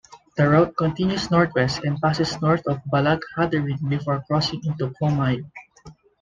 The route continues northwest and passes north of Ballaghaderreen before crossing into Co Mayo.